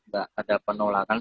gak ada penolakan